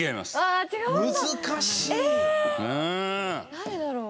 誰だろう？